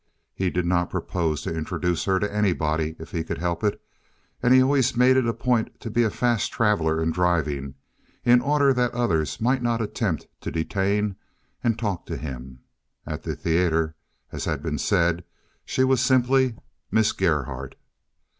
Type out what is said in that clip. He did not propose to introduce her to anybody if he could help it, and he always made it a point to be a fast traveler in driving, in order that others might not attempt to detain and talk to him. At the theater, as has been said, she was simply "Miss Gerhardt."